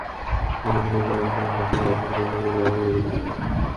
আদালতের বিচারক অঞ্জন কান্তি দাস তাঁদের জেল হাজতে পাঠানোর আদেশ দেন।